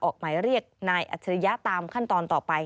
ออกหมายเรียกนายอัจฉริยะตามขั้นตอนต่อไป